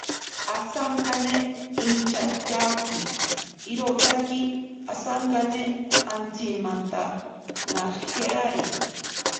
Osankane inchatyaaki irotaki osankane antsimantanajeari.